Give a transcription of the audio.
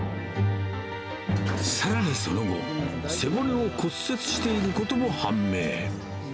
さらにその後、背骨を骨折していることも判明。